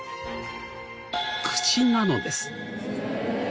口なのです。